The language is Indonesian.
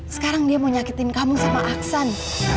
sekarang dia mau nyakitin kamu sama aksan